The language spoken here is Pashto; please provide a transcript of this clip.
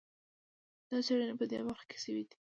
دا څېړنې په دې برخه کې شوي دي.